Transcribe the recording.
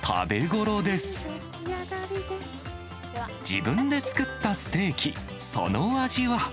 自分で作ったステーキ、その味は？